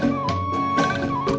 anggap dia keuntungan jenis banget